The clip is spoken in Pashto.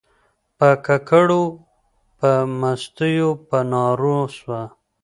په ککړو په مستیو په نارو سوه